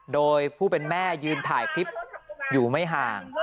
โดยผู้เป็นแม่ยืนถ่ายคลิปอยู่ไม่ห่าง